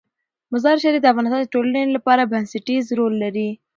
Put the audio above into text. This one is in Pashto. مزارشریف د افغانستان د ټولنې لپاره بنسټيز رول لري.